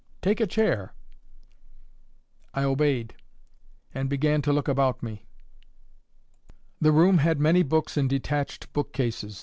Take a chair." I obeyed, and began to look about me. The room had many books in detached book cases.